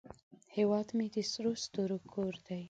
هیواد مې د سرو ستورو کور دی